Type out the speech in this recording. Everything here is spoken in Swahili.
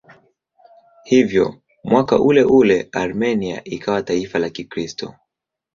Hivyo mwaka uleule Armenia ikawa taifa la Kikristo.